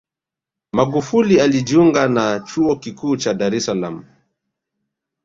Magufuli alijiunga na Chuo Kikuu cha Dar es Salaam